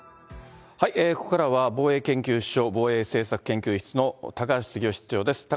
ここからは、防衛研究所防衛政策研究室の高橋杉雄室長です。